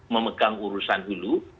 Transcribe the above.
memegang urusan hulu